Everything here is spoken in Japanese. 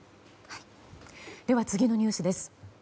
では、次のニュースです。